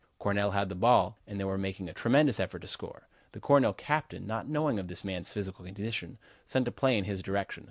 Cornell had the ball, and they were making a tremendous effort to score. The Cornell captain, not knowing of this man's physical condition, sent a play in his direction.